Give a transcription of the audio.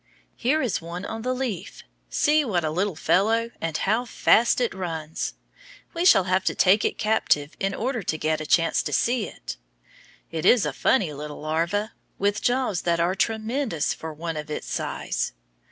Here is one on the leaf. See what a little fellow! And how fast it runs! We shall have to take it captive, in order to get a chance to see it. It is a funny little larva, with jaws that are tre men dous for one of its size.